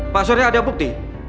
pak sori ada bukti